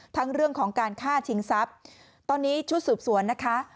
ทั้งเรื่องของการฆ่าชิงทรัพย์ตอนนี้ชุดสืบสวนนะคะ